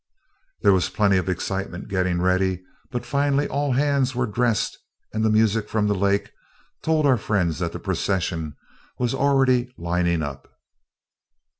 There was plenty of excitement getting ready, but finally all hands were dressed, and the music from the lake told our friends the procession was already lining up.